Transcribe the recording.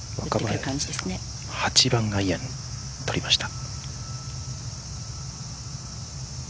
８番アイアン、取りました。